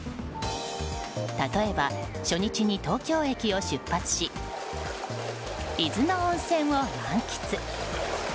例えば、初日に東京駅を出発し伊豆の温泉を満喫。